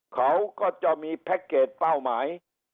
เขาก็จะมีแพ็คเกจเป้าหมาย